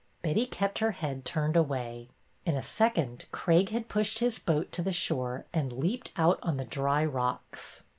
Betty kept her head turned away. In a second Craig had pushed his boat to the shore and leaped out on the dry rocks.